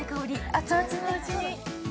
熱々のうちに。